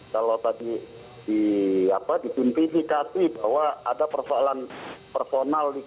kalau tadi di apa disimplifikasi bahwa ada persoalan personal di sini